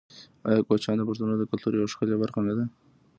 آیا کوچیان د پښتنو د کلتور یوه ښکلې برخه نه ده؟